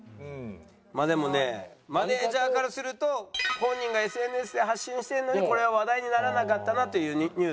まあでもねマネージャーからすると本人がＳＮＳで発信をしているのにこれは話題にならなかったなというニュースがあるようです。